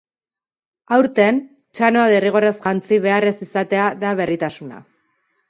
Aurten, txanoa derrigorrez jantzi behar ez izatea da berritasuna.